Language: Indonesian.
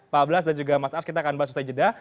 pak ablas dan juga mas ars kita akan bahas usai jeda